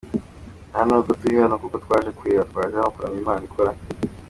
Nta n’ubwo turi hano kuko twaje kureba, twaje hano kuramya Imana ikora